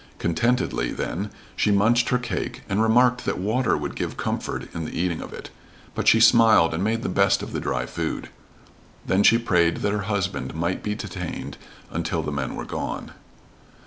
Contentedly, then, she munched her cake, and remarked that water would give comfort in the eating of it, but she smiled and made the best of the dry food. Then she prayed that her husband might be detained until the men were gone.